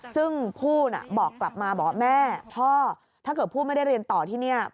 ซึ่งผู้บอกกลับมาบอกแม่พ่อถ้าเกิดผู้ไม่ได้เรียนต่อที่นี่